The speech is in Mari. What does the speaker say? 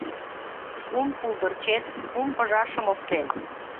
Кум пулдырчет кум пыжашым оптен